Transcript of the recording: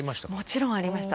もちろんありました。